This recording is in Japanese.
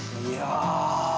いやぁ。